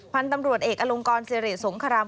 พันธุ์ตำรวจเอกอลงกรสิริสงคราม